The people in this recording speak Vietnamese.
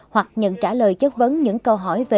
hoặc nhận trả lời chất vấn những câu hỏi về dự án